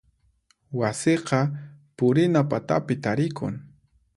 Wasiqa purina patapi tarikun.